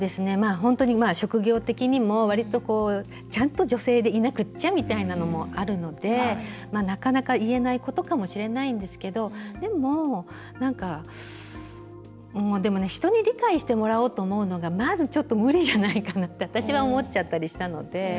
本当に職業的にも割と、ちゃんと女性でいなくっちゃみたいなのもあるのでなかなか言えないことかもしれないんですけどでも、人に理解してもらおうと思うのがまず、ちょっと無理じゃないかなって私は思っちゃったりしたので。